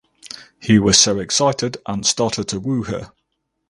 He was so excited and started to woo her.